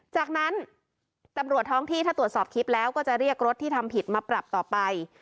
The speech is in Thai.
จากนั้นตำรวจท้องที่ถ้าตรวจสอบคลิปแล้วก็จะเรียกรถที่ทำผิดมาปรับต่อไป